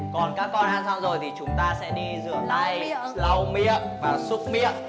còn các con ăn xong rồi thì chúng ta sẽ đi rửa lại lau miệng và xúc miệng